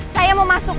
saya mau masuk